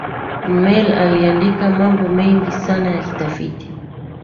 rummel aliandika mambo mengi sana ya kitafiti